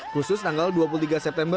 khusus tanggal dua puluh tiga september